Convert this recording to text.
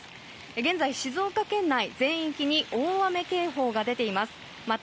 現在、静岡県内全域に大雨警報が出ています。